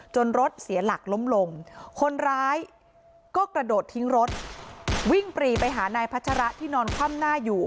รถเสียหลักล้มลงคนร้ายก็กระโดดทิ้งรถวิ่งปรีไปหานายพัชระที่นอนคว่ำหน้าอยู่